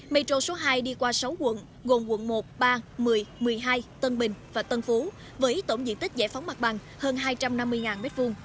metro số hai đi qua sáu quận gồm quận một ba một mươi một mươi hai tân bình và tân phú với tổng diện tích giải phóng mặt bằng hơn hai trăm năm mươi m hai